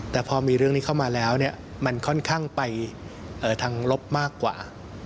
แต่พอมีเรื่องนี้เข้ามาแล้วมันค่อนข้างไปทางลบมากกว่า